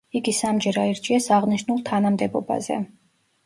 იგი სამჯერ აირჩიეს აღნიშნულ თანამდებობაზე.